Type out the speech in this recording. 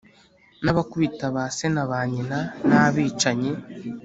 n’abakubita ba se na ba nyina, n’abicanyi